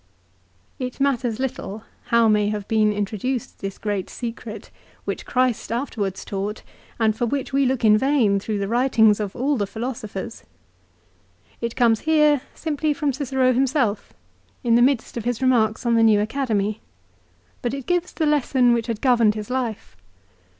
1 It matters little how may have been intro duced this great secret which Christ afterwards taught, and for which we look in vain through the writings of all the philosophers. It comes here simply from Cicero himself in the midst of his remarks on the new Academy, but it gives the lesson which had governed his life.